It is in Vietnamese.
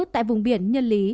tại vùng biển nhân lý